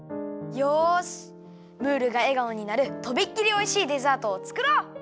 よしムールがえがおになるとびっきりおいしいデザートをつくろう。